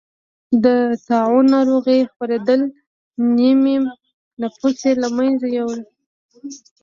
د طاعون ناروغۍ خپرېدل نییم نفوس یې له منځه یووړ.